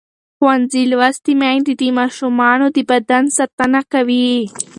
ښوونځې لوستې میندې د ماشومانو د بدن ساتنه کوي.